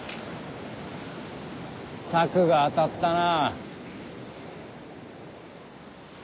策が当たったな。